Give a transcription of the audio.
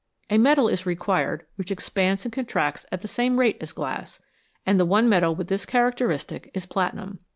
A metal is required which expands and contracts at the same rate as glass, and the one metal with this characteristic is platinum.